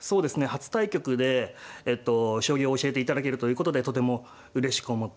初対局で将棋を教えていただけるということでとてもうれしく思っております。